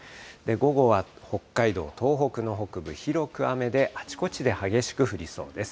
午後は北海道、東北の北部、広く雨で、あちこちで激しく降りそうです。